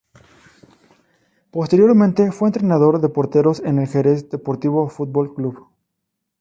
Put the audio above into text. Posteriormente fue entrenador de porteros en el Xerez Deportivo Fútbol Club.